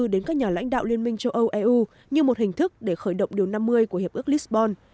đến các nhà lãnh đạo liên minh châu âu eu như một hình thức để khởi động điều năm mươi của hiệp ước lisbon